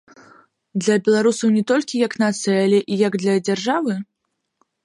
Для беларусаў не толькі як нацыі, але і як для дзяржавы?